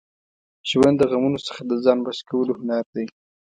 ژوند د غمونو څخه د ځان بچ کولو هنر دی.